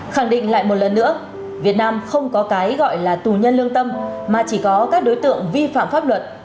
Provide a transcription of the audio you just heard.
khẳng định lại một lần nữa việt nam không có cái gọi là tù nhân lương tâm mà chỉ có các đối tượng vi phạm pháp luật